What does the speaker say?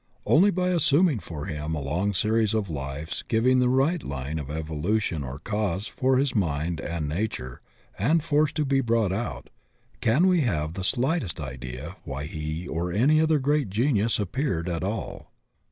Only by assuming for him a long series of lives giving the right line of evolution or cause for his mind and na ture and force to be brought out, can we have the slightest idea why he or any other great genius ap peared at all.